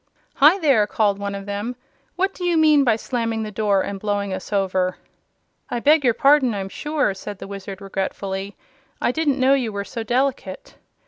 "Hi there!" called one of them; "what do you mean by slamming the door and blowing us over?" "I beg your pardon, I'm sure," said the Wizard, regretfully. "I didn't know you were so delicate."